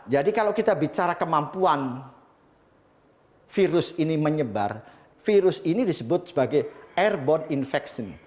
jadi kalau kita bicara kemampuan virus ini menyebar virus ini disebut sebagai airborne infection